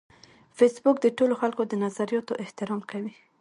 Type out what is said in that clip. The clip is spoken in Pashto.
فېسبوک د ټولو خلکو د نظریاتو احترام کوي